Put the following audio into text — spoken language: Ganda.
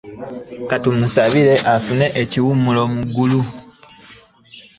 Ka tumusabire afune ekiwummulo mu ggulu.